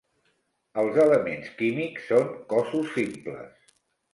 Els elements químics són cossos simples.